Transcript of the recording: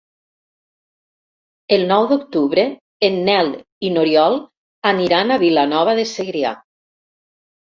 El nou d'octubre en Nel i n'Oriol aniran a Vilanova de Segrià.